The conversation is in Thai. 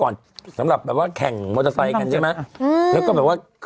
น่ากลัวมาก